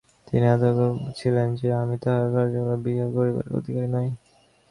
তিনি এত বড় মহাপুরুষ ছিলেন যে, আমি তাঁহার কার্যকলাপ বিচার করিবার অধিকারী নই।